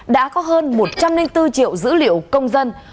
đã có hơn một trăm linh bốn triệu dữ liệu công dân